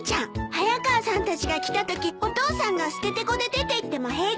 早川さんたちが来たときお父さんがステテコで出ていっても平気なの？